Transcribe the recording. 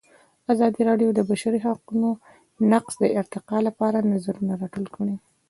ازادي راډیو د د بشري حقونو نقض د ارتقا لپاره نظرونه راټول کړي.